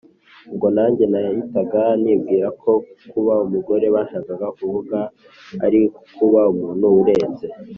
ubwo nanjye nahitaga nibwira ko kuba umugore bashakaga kuvuga ari ukuba umuntu urenze,